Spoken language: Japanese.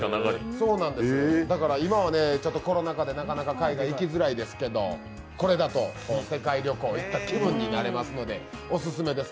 今はコロナ禍でなかなか海外、行きづらいですけどこれだと世界旅行に行った気分になれますのでオススメです。